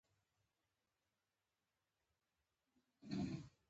څنګه کولی شم د ماشومانو لپاره د جنت د والدینو ملګرتیا بیان کړم